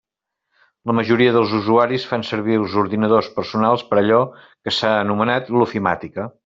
La majoria dels usuaris fan servir els ordinadors personals per allò que s'ha anomenat “l'ofimàtica”.